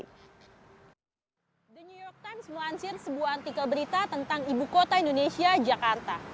the new york times melansir sebuah artikel berita tentang ibu kota indonesia jakarta